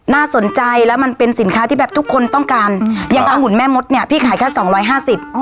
น่าสนใจแล้วมันเป็นสินค้าที่แบบทุกคนต้องการอย่างอังุ่นแม่มดเนี่ยพี่ขายแค่สองร้อยห้าสิบ